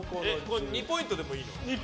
２ポイントでもいいの？